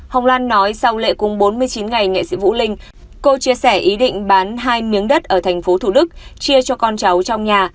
hồng loan nói sau lệ cung bốn mươi chín ngày nghệ sĩ vũ linh cô chia sẻ ý định bán hai miếng đất ở tp thủ đức chia cho con cháu trong nhà